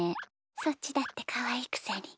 そっちだってかわいいくせに。